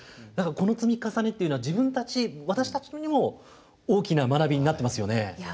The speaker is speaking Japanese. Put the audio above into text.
だからこの積み重ねっていうのは自分たち私たちにも大きな学びになってますよね。